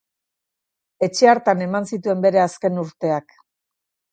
Etxe hartan eman zituen bere azken urteak.